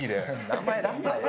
名前を出すなよ！